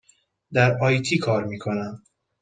در آی تی کار می کنم.